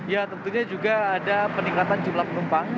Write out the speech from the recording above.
ya tentunya juga ada peningkatan jumlah penumpang